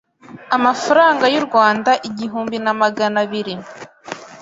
amafaranga y u Rwanda igihumbi na magana abiri